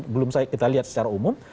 belum kita lihat secara umum